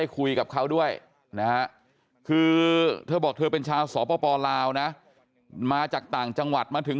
คุยกับเขาด้วยนะฮะคือเธอบอกเธอเป็นชาวสปลาวนะมาจากต่างจังหวัดมาถึง